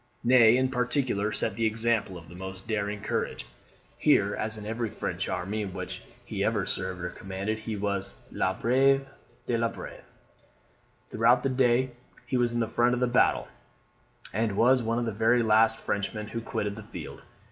Ney, in particular, set the example of the most daring courage. Here, as in every French army in which he ever served or commanded, he was "le brave des braves." Throughout the day he was in the front of the battle; and was one of the very last Frenchmen who quitted the field.